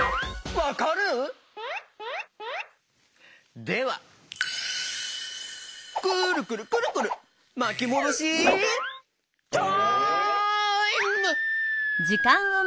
わかる？ではくるくるくるくるまきもどしタイム！